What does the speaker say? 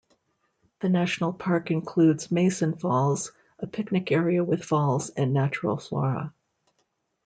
The national park includes Masons Falls, a picnic area with falls and natural flora.